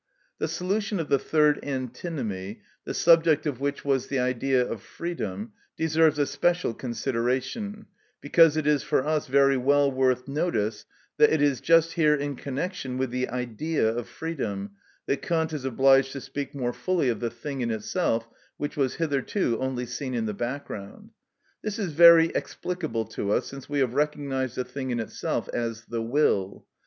‐‐‐‐‐‐‐‐‐‐‐‐‐‐‐‐‐‐‐‐‐‐‐‐‐‐‐‐‐‐‐‐‐‐‐‐‐ The solution of the third antinomy, the subject of which was the Idea of freedom, deserves a special consideration, because it is for us very well worth notice that it is just here in connection with the Idea of freedom that Kant is obliged to speak more fully of the thing in itself, which was hitherto only seen in the background. This is very explicable to us since we have recognised the thing in itself as the will.